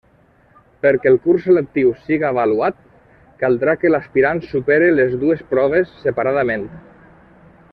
Perquè el curs selectiu siga avaluat, caldrà que l'aspirant supere les dues proves separadament.